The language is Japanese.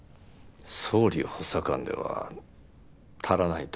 総理補佐官では足らないと？